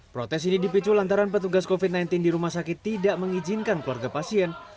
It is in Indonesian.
protes ini dipicu lantaran petugas covid sembilan belas di rumah sakit tidak mengizinkan keluarga pasien